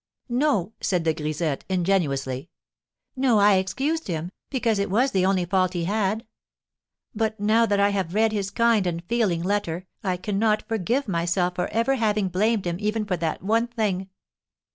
"No," said the grisette, ingenuously; "no, I excused him, because it was the only fault he had. But now that I have read his kind and feeling letter, I cannot forgive myself for ever having blamed him even for that one thing."